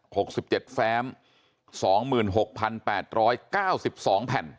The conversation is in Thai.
หกสิบเจ็ดแฟ้มสองหมื่นหกพันแปดร้อยเก้าสิบสองแผ่น